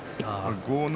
豪ノ